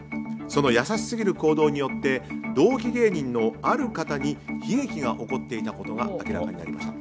その優しすぎる行動によって同期芸人のある方に悲劇が起こっていたことが明らかになりました。